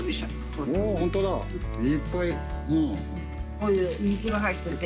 こういう肉も入ってて。